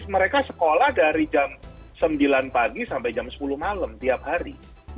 mereka sekolah dari jam sembilan pagi sampai jam sepuluh malam tiap hari